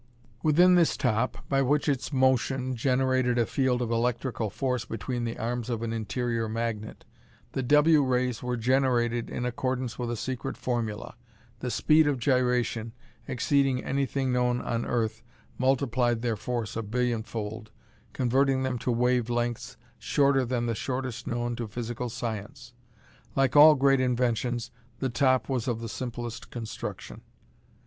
Within this top, which, by its motion, generated a field of electrical force between the arms of an interior magnet, the W rays were generated in accordance with a secret formula; the speed of gyration, exceeding anything known on earth, multiplied their force a billionfold, converting them to wave lengths shorter than the shortest known to physical science. Like all great inventions, the top was of the simplest construction.